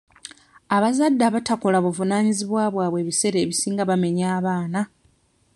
Abazadde abatakola buvunaanyizibwa bwabwe ebiseera ebisinga bamenya abaana.